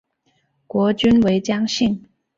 国君为姜姓。